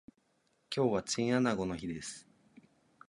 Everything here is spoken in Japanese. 今日はチンアナゴの日です